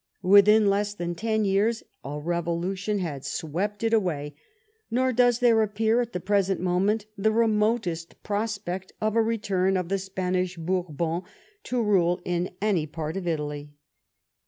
Within less than ten years a revolution had swept it away ; nor does there appear at the pres ent moment the remotest prospect of a return of the Spanish Bourbons to rule in any part of Italy.